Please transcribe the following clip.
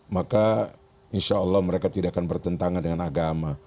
maka insya allah mereka tidak akan bertentangan dengan agama